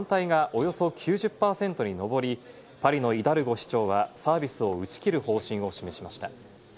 その結果、反対がおよそ９０％に上り、パリのイダルゴ市長はサービスを打ち切る方針を示しました。